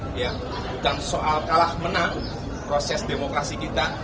bukan soal kalah menang proses demokrasi kita